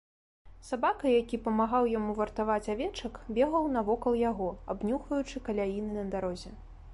Сабака, які памагаў яму вартаваць авечак, бегаў навокал яго, абнюхваючы каляіны на дарозе.